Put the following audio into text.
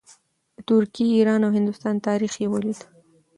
د ترکیې، ایران او هندوستان تاریخ یې ولید.